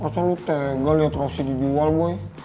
asal lo tega liat raksasa dijual boy